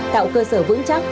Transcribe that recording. tạo cơ sở vững chắc